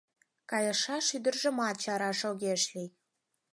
Кайышаш ӱдыржымат чараш огеш лий.